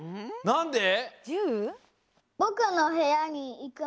なんで？